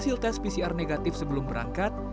hasil tes pcr negatif sebelum berangkat